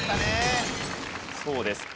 そうです。